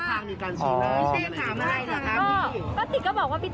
เมื่อกี้ไม่ได้ทะเลาะอะไรกันเขาพูดปกติ